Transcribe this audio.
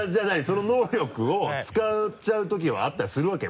その能力を使っちゃうときはあったりするわけ？